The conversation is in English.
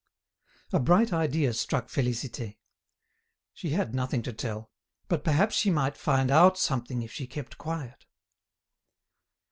A bright idea struck Félicité. She had nothing to tell; but perhaps she might find out something if she kept quiet.